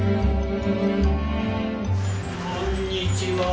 こんにちは。